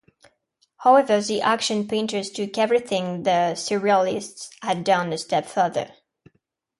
However the action painters took everything the surrealists had done a step further.